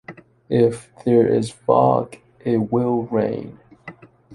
If there is fog, it will rain.